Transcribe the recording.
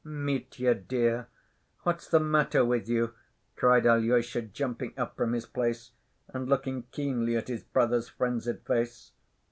"Mitya, dear, what's the matter with you?" cried Alyosha, jumping up from his place, and looking keenly at his brother's frenzied face.